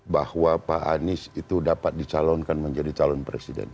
bahwa pak anies itu dapat dicalonkan menjadi calon presiden